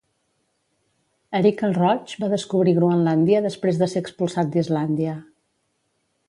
Eric el Roig va descobrir Groenlàndia després de ser expulsat d'Islàndia.